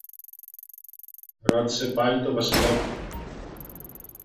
ρώτησε πάλι το Βασιλόπουλο.